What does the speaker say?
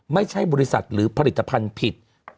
ไม่ใช่บริษัทหรือผลิตภัณฑ์ผิด